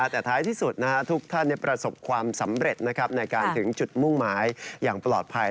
แต่ท้ายที่สุดทุกท่านประสบความสำเร็จในการถึงจุดมุ่งหมายอย่างปลอดภัย